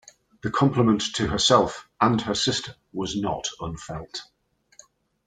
The compliment to herself and her sister was not unfelt.